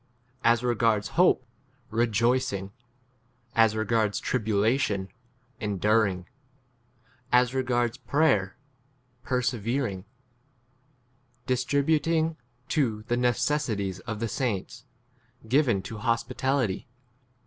As regards hope, re joicing: as regards tribulation, enduring : as regards prayer, per 13 severing : distributing to the ne cessities of the saints ; given to 14 hospitality.